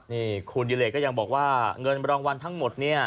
นี่คุณดิเลกก็ยังบอกว่าเงินรางวัลทั้งหมดเนี่ย